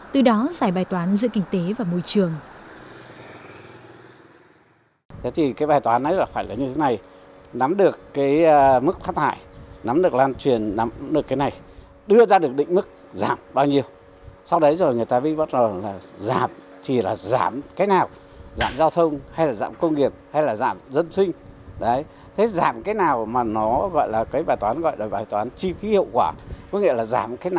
từ đó giải bài toán giữa kinh tế và môi trường